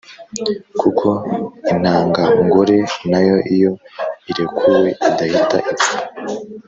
kuko intangangore nayo iyo irekuwe idahita ipfa.